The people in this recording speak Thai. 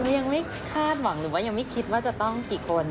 ยังไม่คาดหวังหรือว่ายังไม่คิดว่าจะต้องกี่คน